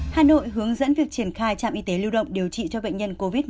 hà nội hướng dẫn việc triển khai trạm y tế lưu động điều trị cho bệnh nhân covid một mươi chín